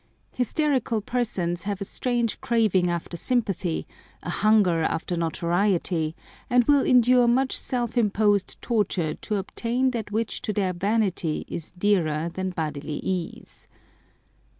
Hysterical persons have a strange craving after sympathy, a hunger after notoriety, and will endure much self imposed torture to obtain that which to their vanity is dearer than bodily ease.